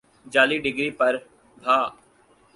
جعلی ڈگری پر بھا